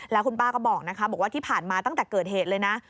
แล้วคุณป้าก็บอกนะคะบอกว่าที่ผ่านมาตั้งแต่เกิดเหตุเลยนะ